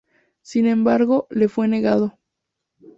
Sin embargo, le fue negado.